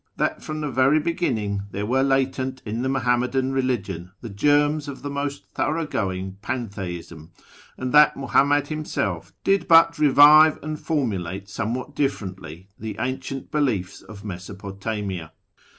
that from the very beginning there were latent in the Muhammadan reliuion the germs of the most thorough going pantheism, and that Muhammad him / self did but revive and formulate somewhat differently the ancient beliefs of Mesopotamia.